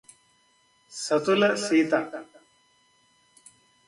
సతుల Sita